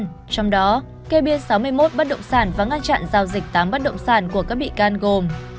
trong đó kê biên sáu mươi một bắt động sản vắng ngăn chặn giao dịch tám bắt động sản của các bị can gồm